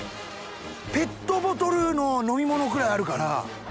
ペットボトルの飲み物ぐらいあるから。